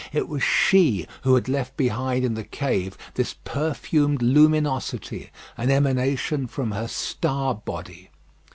It was she who had left behind in the cave this perfumed luminosity, an emanation from her star body.